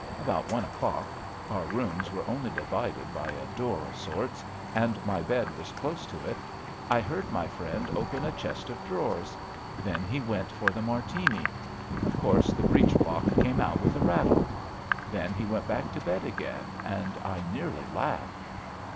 About one o'clock — our rooms were only divided by a door of sorts, and my bed was close to it — ^I heard my friend open a chest 122 ABAFT THE FUNNEL of drawers. Then he went for the Martini. Of course, the breech block came out with a rattle. Then he went back to bed again, and I nearly laughed.